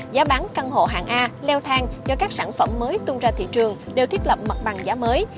giá bán căn hộ hàng a leo thang do các sản phẩm mới tung ra thị trường đều thiết lập mặt bằng giá mới